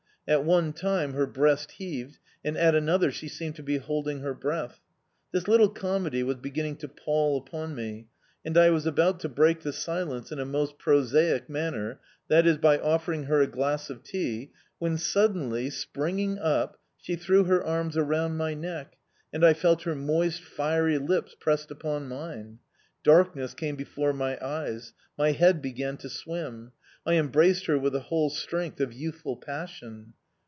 At one time her breast heaved, and at another she seemed to be holding her breath. This little comedy was beginning to pall upon me, and I was about to break the silence in a most prosaic manner, that is, by offering her a glass of tea; when suddenly, springing up, she threw her arms around my neck, and I felt her moist, fiery lips pressed upon mine. Darkness came before my eyes, my head began to swim. I embraced her with the whole strength of youthful passion.